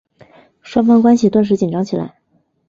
双方关系顿时紧张起来。